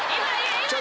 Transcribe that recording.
ちょっと！